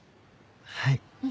はい。